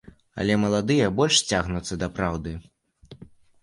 Але маладыя больш цягнуцца да праўды.